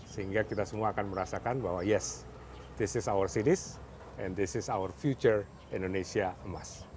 sehingga kita semua akan merasakan bahwa yes this is our cities and this is our future indonesia emas